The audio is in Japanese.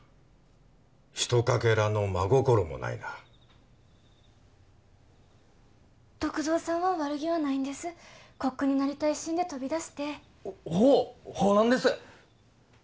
ひとかけらの真心もないな篤蔵さんは悪気はないんですコックになりたい一心で飛び出してほうほうなんです！